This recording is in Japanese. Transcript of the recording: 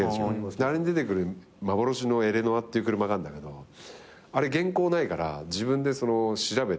あれに出てくる幻のエレノアっていう車があんだけどあれ現行ないから自分で調べて。